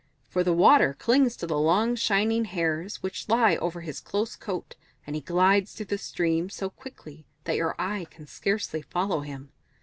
For the water clings to the long shining hairs which lie over his close coat, and he glides through the stream so quickly that your eye can scarcely follow him.